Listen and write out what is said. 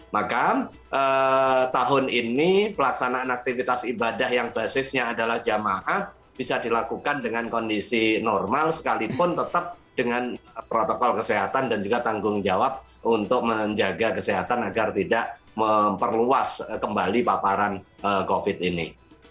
maka tahun ini pelaksanaan aktivitas ibadah yang basisnya adalah jamaah bisa dilakukan dengan kondisi normal sekalipun tetap dengan protokol kesehatan dan juga tanggung jawab untuk menjaga kesehatan agar tidak memperluas kembali paparan covid ini